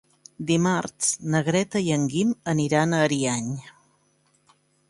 Dimarts na Greta i en Guim aniran a Ariany.